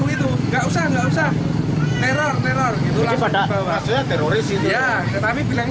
lalu dibawa ke sana terus tidak tahu sampai siang ini